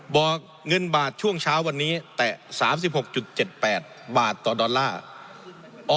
บอกเงินบาทช่วงเช้าวันนี้แตะ๓๖๗๘บาทต่อดอลลาร์